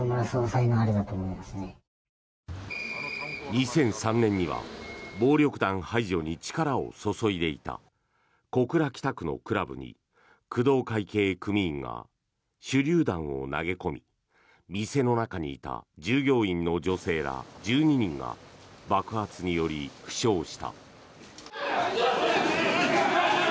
２００３年には暴力団排除に力を注いでいた小倉北区のクラブに工藤会系組員が手りゅう弾を投げ込み店の中にいた従業員の女性ら１２人が爆発により負傷した。